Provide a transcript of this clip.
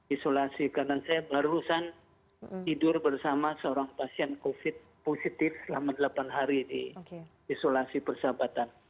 isolasi karena saya barusan tidur bersama seorang pasien covid positif selama delapan hari di isolasi persahabatan